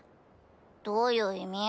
どういう意味？